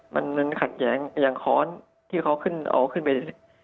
มันขัดแย้งอย่างค้อนที่เขาขึ้นเอาขึ้นไป